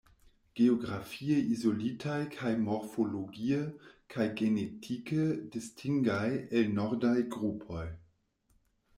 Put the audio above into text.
Geografie izolitaj kaj morfologie kaj genetike distingaj el nordaj grupoj.